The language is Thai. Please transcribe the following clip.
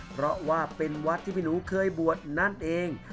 เพราะว่าเป็นวัดที่พี่หนูเคยบวชนั่นเอง